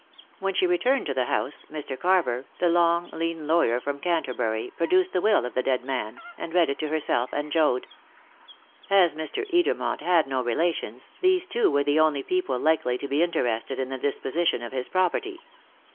When she returned to the house, Mr. Carver, the long, lean lawyer from Canterbury, produced the will of the dead man, and read it to herself and Joad. As Mr. Edermont had no relations, these two were the only people likely to be interested in the disposition of his property.